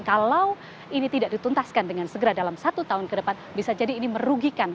dan kalau ini tidak dituntaskan dengan segera dalam satu tahun ke depan bisa jadi ini merugikan